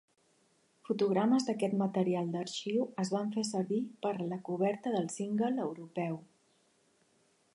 Fotogrames d'aquest material d'arxiu es van fer servir per a la coberta del single europeu.